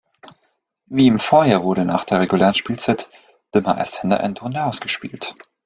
Wie im Vorjahr wurde nach der regulären Spielzeit der Meister in einer Endrunde ausgespielt.